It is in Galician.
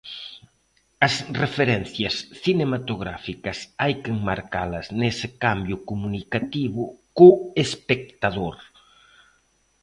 As referencias cinematográficas hai que enmarcalas nese cambio comunicativo co espectador.